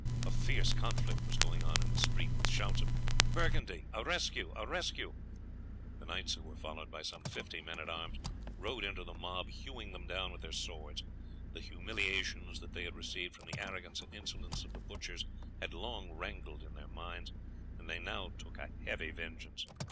A fierce conflict was going on in the street, with shouts of "Burgundy!" "A rescue!" "A rescue!" The knights, who were followed by some fifty men at arms, rode into the mob, hewing them down with their swords. The humiliations that they had received from the arrogance and insolence of the butchers had long rankled in their minds, and they now took a heavy vengeance.